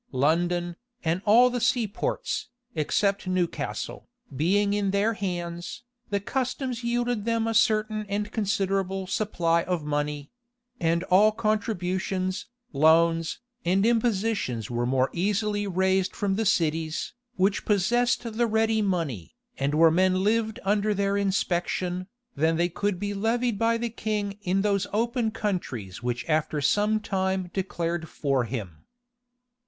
London, and all the seaports, except Newcastle, being in their hands, the customs yielded them a certain and considerable supply of money; and all contributions, loans, and impositions were more easily raised from the cities, which possessed the ready money, and where men lived under their inspection, than they could be levied by the king in those open countries which after some time declared for him.